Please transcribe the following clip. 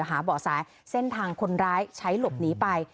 เบาะแสเส้นทางคนร้ายใช้หลบหนีไป